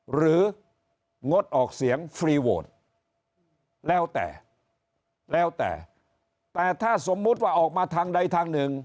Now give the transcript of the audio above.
งดออกเสียงฟรีโวทแล้วแต่แล้วแต่แต่ถ้าสมมุติว่าออกมาทางใดทางหนึ่ง